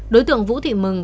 đối tượng vũ thị mừng